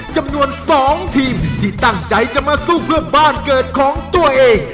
จำนวน๒ทีมที่ตั้งใจจะมาสู้เพื่อบ้านเกิดของตัวเอง